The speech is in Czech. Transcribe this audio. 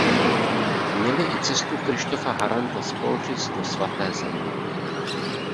Měli i cestu Krištofa Haranta z Polžic do svaté země.